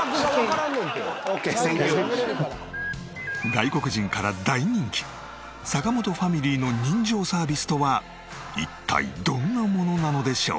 外国人から大人気坂本ファミリーの人情サービスとは一体どんなものなのでしょう？